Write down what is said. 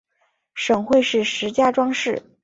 省会是石家庄市。